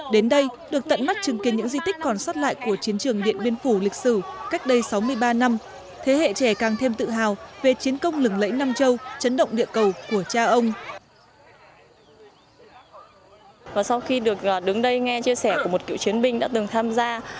đến đây được tận mắt chứng kiến những di tích còn sót lại của chiến trường điện biên phủ lịch sử cách đây sáu mươi ba năm thế hệ trẻ càng thêm tự hào về chiến công lừng lẫy nam châu chấn động địa cầu của cha ông